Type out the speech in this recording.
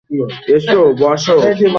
এসো, বসো।